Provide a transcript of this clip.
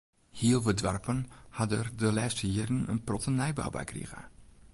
Hiel wat doarpen ha der de lêste jierren in protte nijbou by krige.